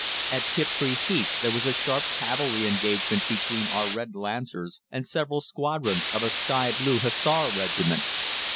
At Tiptree Heath there was a sharp cavalry engagement between our red Lancers and several squadrons of a sky blue hussar regiment.